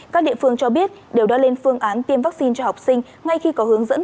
các địa phương cho biết đều đã lên phương án tiêm vaccine cho học sinh ngay khi có hướng dẫn